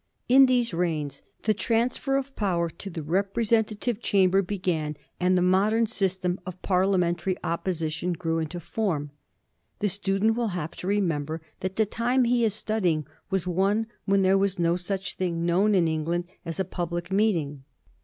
In those reigns the transfer of power to the representative chamber began, and the modem system of Parliamentary opposition grew into form. The student will have to remember that the time he is studying was one when there was no such thing known in England as a public meeting.